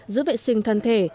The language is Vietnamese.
giữ vệ sinh thân thể